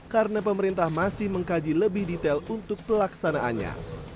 karena pemerintah masih mengkaji lebih detail untuk pelaksanaannya